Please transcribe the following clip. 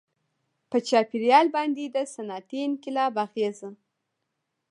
• په چاپېریال باندې د صنعتي انقلاب اغېزه.